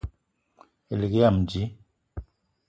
Elig yam dji